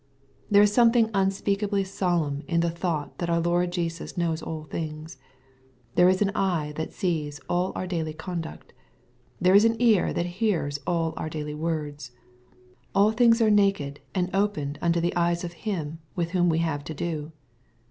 There is something unspeakably solemn in the thought that the Lord Jesus knows all things. There is an eye that sees all our daily conduct. There is an ear that hears all our daily words. All things are naked and opened unto the eyes of Him, with whom we have to do.